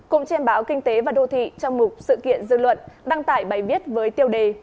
cùng trên báo kinh tế và đô thị trong mục sự kiện dư luận đăng tải bài viết với tiêu đề